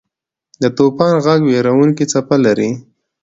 د طوفان ږغ وېرونکې څپه لري.